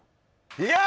いや！